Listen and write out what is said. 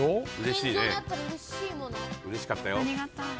うれしかったよ。